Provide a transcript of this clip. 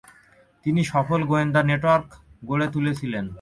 তিনি সফল গোয়েন্দা নেটওয়ার্ক গড়ে তুলেছিলেন।